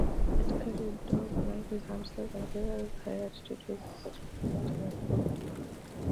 It carried dogs, monkeys, hamsters, and various high-altitude physics experiments in its nose cone.